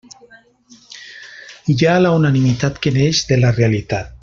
Hi ha la unanimitat que neix de la realitat.